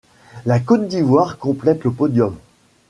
La Côte d'Ivoire complète le podium.